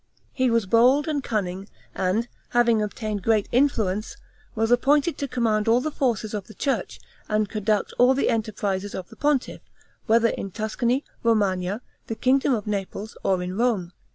He was bold and cunning; and, having obtained great influence, was appointed to command all the forces of the church, and conduct all the enterprises of the pontiff, whether in Tuscany, Romagna, the kingdom of Naples, or in Rome.